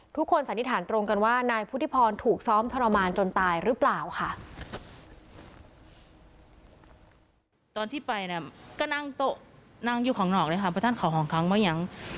สันนิษฐานตรงกันว่านายพุทธิพรถูกซ้อมทรมานจนตายหรือเปล่าค่ะ